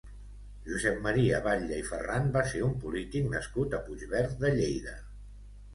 Josep Maria Batlle i Farran va ser un polític nascut a Puigverd de Lleida.